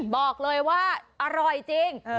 บอกเลยว่าอร่อยจริง